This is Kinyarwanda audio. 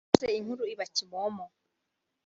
maze inkuru iba kimomo